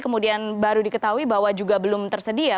kemudian baru diketahui bahwa juga belum tersedia